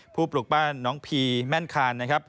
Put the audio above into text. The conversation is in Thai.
ผู้ปลูกบ้านน้องพี่แม่นคาน